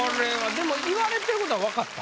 でも言われてる事はわかった？